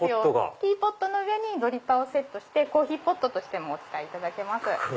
ティーポットの上にドリッパーをセットしてコーヒーポットとしてもお使いいただけます。